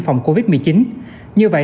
phòng covid một mươi chín như vậy